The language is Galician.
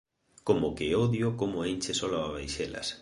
Como que odio como enches o lavavaixelas.